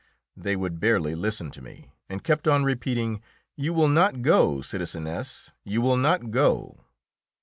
They would barely listen to me, and kept on repeating, "You will not go, citizeness; you will not go!"